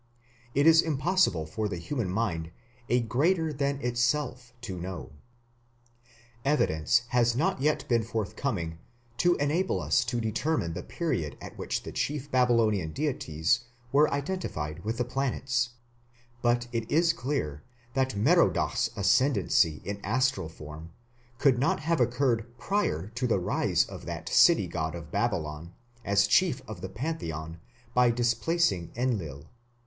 It was impossible for the human mind "a greater than itself to know". Evidence has not yet been forthcoming to enable us to determine the period at which the chief Babylonian deities were identified with the planets, but it is clear that Merodach's ascendancy in astral form could not have occurred prior to the rise of that city god of Babylon as chief of the pantheon by displacing Enlil.